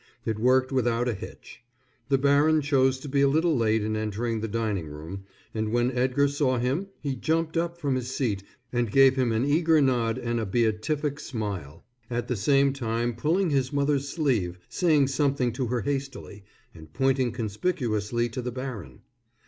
It worked without a hitch. The baron chose to be a little late in entering the dining room, and when Edgar saw him, he jumped up from his seat and gave him an eager nod and a beatific smile, at the same time pulling his mother's sleeve, saying something to her hastily, and pointing conspicuously to the baron.